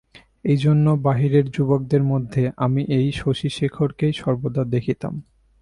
এইজন্য বাহিরের যুবকদের মধ্যে আমি এই শশিশেখরকেই সর্বদা দেখিতাম।